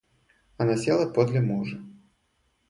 Она села подле мужа.